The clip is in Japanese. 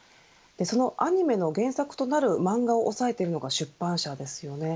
そのアニメの原作となる漫画を押さえているのが出版社です。